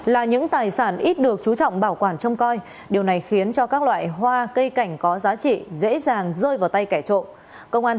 là những tài sản ít được chú trọng bảo quản trông coi điều này khiến cho các loại hoa cây cảnh có giá trị dễ dàng rơi vào tay kẻ trộm